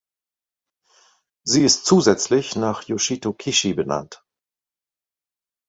Sie ist zusätzlich nach Yoshito Kishi benannt.